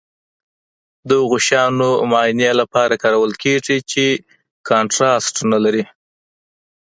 د هغو شیانو معاینې لپاره کارول کیږي چې کانټراسټ نه لري.